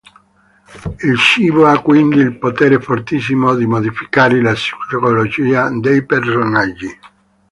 Il cibo ha quindi il potere fortissimo di modificare la psicologia dei personaggi.